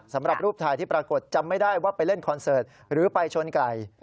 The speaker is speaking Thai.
สำหรับรูปถ่ายที่ปรากฏจำไม่ได้ว่าไปเล่นคอนเสิร์ตหรือไปชนไกล